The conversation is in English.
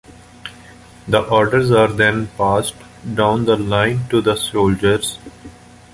The orders are then passed down the line to the soldiers.